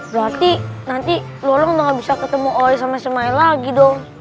berarti nanti lolong udah gak bisa ketemu oleh sama semuanya lagi dong